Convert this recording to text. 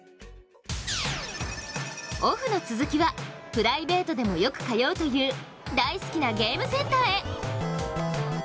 オフの続きは、プライベートでもよく通うという大好きなゲームセンターへ。